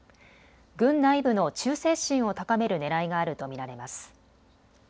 軍内部の忠誠心を高めるねらいがあると見られます。